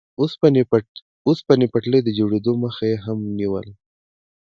اوسپنې پټلۍ د جوړېدو مخه یې هم نیوله.